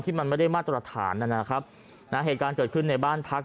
ที่มันไม่ได้มาตรฐานนะครับร้านห่างเกิดขึ้นในบ้านพัก